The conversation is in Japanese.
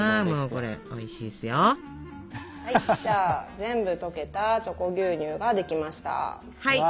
はい全部とけた「チョコ牛乳」ができました。